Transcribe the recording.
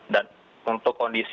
dan untuk kondisi